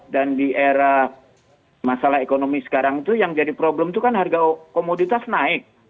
dan di era masalah ekonomi sekarang itu yang jadi problem itu kan harga komoditas naik